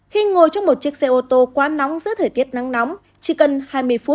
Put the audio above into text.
khi ngồi trong một chiếc xe ô tô quá nóng giữa thời tiết nắng nóng chỉ cần hai mươi phút